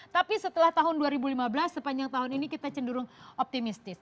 tapi setelah tahun dua ribu lima belas sepanjang tahun ini kita cenderung optimistis